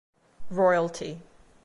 Royalty.